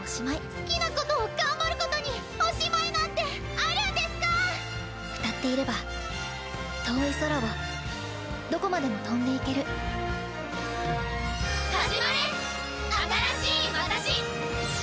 好きなことを頑張ることにおしまいなんてあるんデスか⁉歌っていれば遠い空をどこまでも飛んでいけるいや